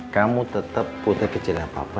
kamu tetap putih kecilnya papa